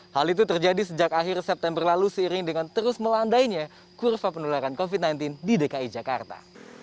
hal itu terjadi sejak akhir september lalu seiring dengan terus melandainya kurva penularan covid sembilan belas di dki jakarta